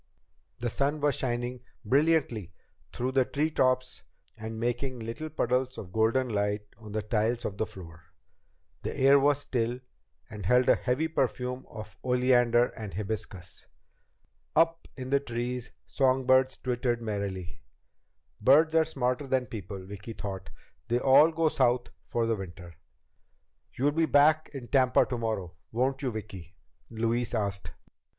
The sun was shining brilliantly through the tree tops and making little puddles of golden light on the tiles of the floor. The air was still, and held a heavy perfume of oleander and hibiscus. Up in the trees, songbirds twittered merrily. Birds are smarter than people, Vicki thought, they all go South for the winter. "You'll be back in Tampa tomorrow, won't you, Vicki?" Louise asked.